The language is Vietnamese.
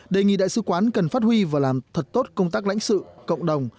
đề nghị đại sứ quán cần phát huy và làm thật tốt công tác lãnh sự cộng đồng